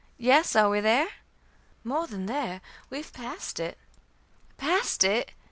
"Yes. Are we there?" "More than there. We have passed it." "Passed it!"